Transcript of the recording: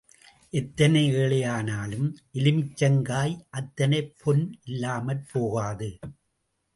எத்தனை ஏழையானாலும் எலுமிச்சங்காய் அத்தனை பொன் இல்லாமற் போகாது.